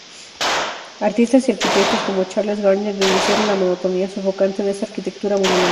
Artistas y arquitectos como Charles Garnier denunciaron la monotonía sofocante de esta arquitectura monumental.